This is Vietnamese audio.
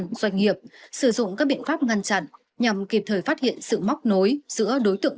các doanh nghiệp sử dụng các biện pháp ngăn chặn nhằm kịp thời phát hiện sự móc nối giữa đối tượng